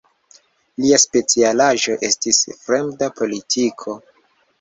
Lia specialaĵo estis fremda politiko.